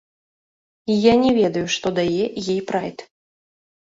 Я не ведаю, што дае гей-прайд.